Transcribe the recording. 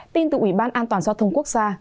tin từ ủy ban an toàn giao thông quốc gia